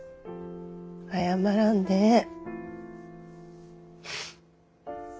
謝らんでええ。